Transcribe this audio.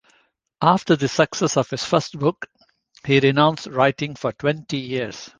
After the success of his first book, he renounced writing for twenty years.